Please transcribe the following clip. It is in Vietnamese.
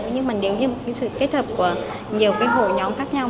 nhưng mà nếu như sự kết hợp của nhiều hội nhóm khác nhau